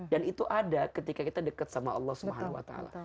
dan itu ada ketika kita dekat sama allah subhanahu wa ta'ala